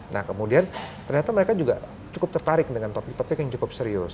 nah kemudian ternyata mereka juga cukup tertarik dengan topik topik yang cukup serius